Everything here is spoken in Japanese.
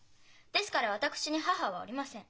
ですから私に母はおりません。